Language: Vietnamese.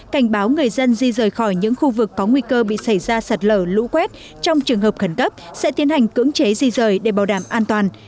cảnh báo người dân di rời khỏi những khu vực có nguy cơ bị xảy ra sạt lở lũ quét trong trường hợp khẩn cấp sẽ tiến hành cưỡng chế di rời để bảo đảm an toàn